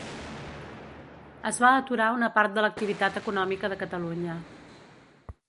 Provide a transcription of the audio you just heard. Es va aturar una part de l’activitat econòmica de Catalunya.